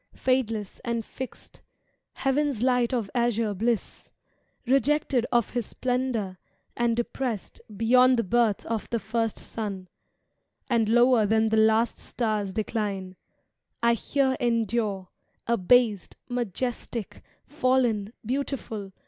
Fadeless and fixed, heavVs light of azure bliss; Rejected of His splendour, and depressed Beyond the birth of the first sun, and lower Than the last star's decline, I here endure. Abased, majestic, fallen, beautiful.